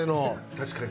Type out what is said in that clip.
確かに。